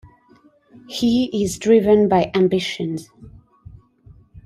He is driven by ambition.